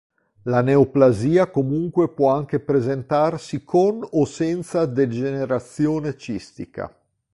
La neoplasia comunque può anche presentarsi con o senza degenerazione cistica.